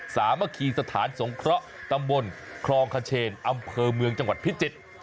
สามัคคีสถานสงเคราะห์ตำบลคลองขเชนอำเภอเมืองจังหวัดพิจิตร